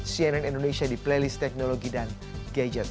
cnn indonesia di playlist teknologi dan gadget